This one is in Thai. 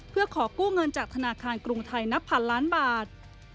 เพื่อขอกู้เงินจากธนาคารกรุงไทยนับพันล้านบาท